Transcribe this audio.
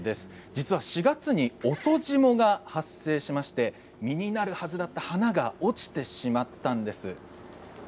実は４月に遅霜が発生しまして実になるはずだった花が落ちてしまったんです。